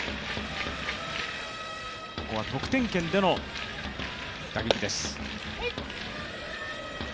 ここは得点圏での打撃です。